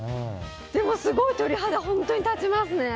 でも、すごい鳥肌が本当に立ちますね。